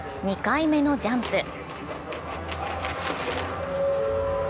２回目のジャンプ。